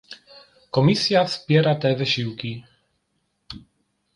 Komisja wspiera te wysiłki